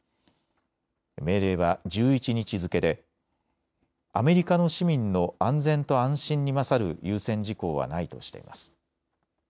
命令は１１日付けでアメリカの市民の安全と安心に勝る優先事項はないとしています。